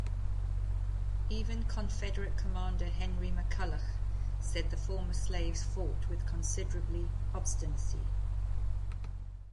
Even Confederate commander Henry McCulloch said the former slaves fought with considerably obstinacy.